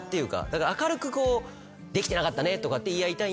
だから明るくこう「できてなかったね」とかって言い合いたいんで。